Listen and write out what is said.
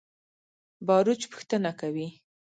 باروچ پوښتنه کوي.